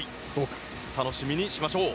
楽しみにしましょう。